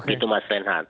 itu mas renhan